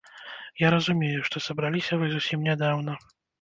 Я разумею, што сабраліся вы зусім нядаўна.